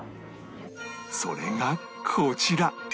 それがこちら